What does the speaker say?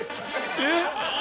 ・えっ！？